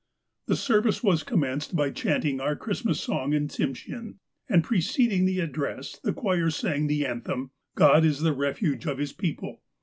" The service was commenced by chanting our Christmas song in Tsimshean ; and, preceding the address, the choir sang the anthem, ' God is the refuge of His people.'